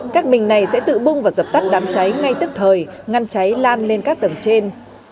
các bình này sẽ tự bung và dập tắt đám cháy ngay tức thời ngăn cháy lan lên các tầng trên